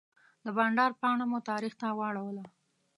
د بانډار پاڼه مو تاریخ ته واړوله.